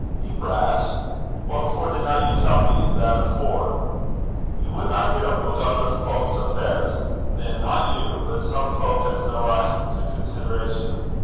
'Ye vratch! what for didna ye tell me that afore?' 'Ye wadna hear aboot ither fowk's affairs. Na, not you! But some fowk has no richt to consideration.